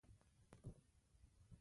بزګر د هر شین فصل خالق دی